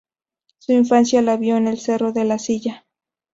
Su infancia la vivió en el Cerro de la Silla.